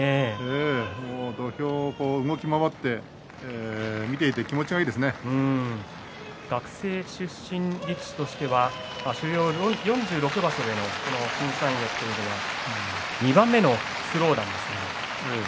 土俵を動き回って見ていて学生出身の力士としては所要４６場所での新三役２番目のスロー記録ですが。